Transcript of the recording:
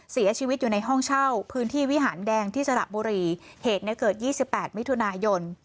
เสียชีวิตอยู่ในห้องเช่าพื้นที่วิหารแดงที่สระบุรีเหตุเนี่ยเกิด๒๘มิถุนายน